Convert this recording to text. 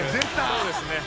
そうですね。